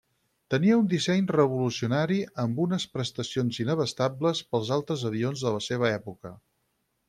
Tenia un disseny revolucionari, amb unes prestacions inabastables pels altres avions de la seva època.